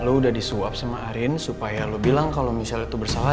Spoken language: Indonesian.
lu udah disuap sama arin supaya lo bilang kalau misalnya itu bersalah